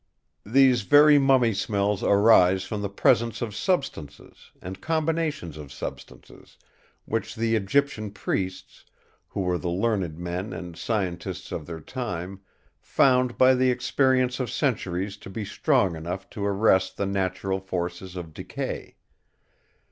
These very mummy smells arise from the presence of substances, and combinations of substances, which the Egyptian priests, who were the learned men and scientists of their time, found by the experience of centuries to be strong enough to arrest the natural forces of decay.